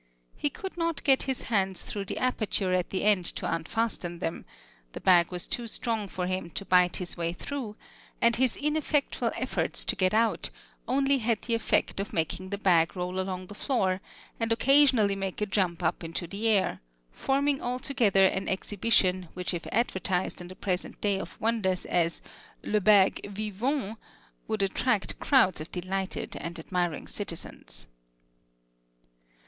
He could not get his hands through the aperture at the end to unfasten them, the bag was too strong for him to bite his way through, and his ineffectual efforts to get out only had the effect of making the bag roll along the floor, and occasionally make a jump up into the air; forming altogether an exhibition which if advertised in the present day of wonders as "le bag vivant," would attract crowds of delighted and admiring citizens.